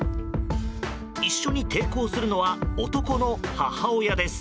一緒に抵抗するのは男の母親です。